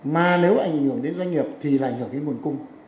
mà nếu ảnh hưởng đến doanh nghiệp thì là ảnh hưởng đến nguồn cung